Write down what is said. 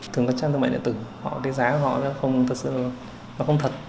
thường các trang thương mại điện tử cái giá của họ nó không thật